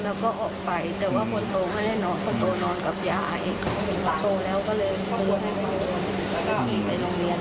แล้วพี่ก็พี่ไปโรงเรียน